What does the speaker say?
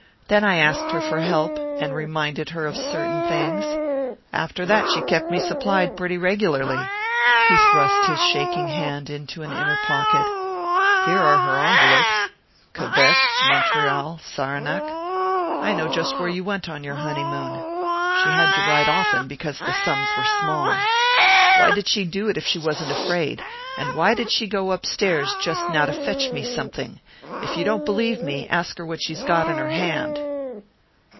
Then I asked her for help and reminded her of certain things. After that she kept me supplied pretty regularly." He thrust his shaking hand into an inner pocket. "Here are her envelopes...Quebec...Montreal...Saranac...I know just where you went on your honeymoon. She had to write often, because the sums were small. Why did she do it, if she wasn't afraid? And why did she go upstairs just now to fetch me something? If you don't believe me, ask her what she's got in her hand."